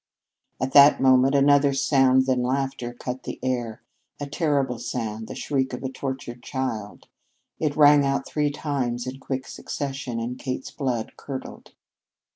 At that moment another sound than laughter cut the air a terrible sound the shriek of a tortured child. It rang out three times in quick succession, and Kate's blood curdled.